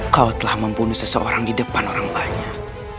kau telah membunuh seseorang di depan orang banyak